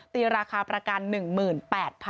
ตีราคาประกัน๑๘๐๐๐บาทค่ะ